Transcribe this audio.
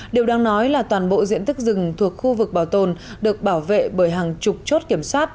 điều đang nói là toàn bộ diện tích rừng thuộc khu vực bảo tồn được bảo vệ bởi hàng chục chốt kiểm soát